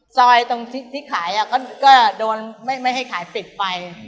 จอยที่ขายก็ก็ไม่ให้ขายติดปลิกไป